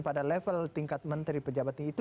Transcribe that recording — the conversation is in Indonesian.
pada level tingkat menteri pejabat itu